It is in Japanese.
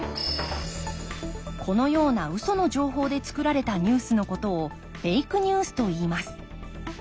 このようなウソの情報でつくられたニュースのことをフェイクニュースといいます。